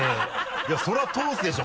いやそれは通すでしょ！